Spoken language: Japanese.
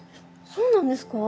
そうなんですか？